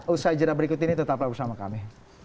usaha jera berikut ini tetap bersama kami